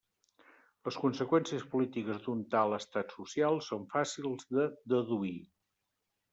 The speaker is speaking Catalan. Les conseqüències polítiques d'un tal estat social són fàcils de deduir.